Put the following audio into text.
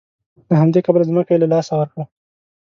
له همدې کبله ځمکه یې له لاسه ورکړه.